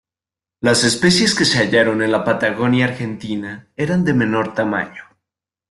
Las especies que se hallaron en la Patagonia argentina eran de menor tamaño.